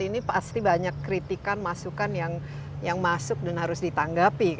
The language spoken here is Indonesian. ini pasti banyak kritikan masukan yang masuk dan harus ditanggapi